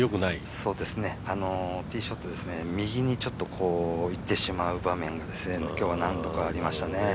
そうですね、ティーショットは右に行ってしまう場面が今日は何度かありましたね。